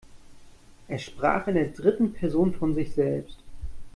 Er sprach in der dritten Person von sich selbst.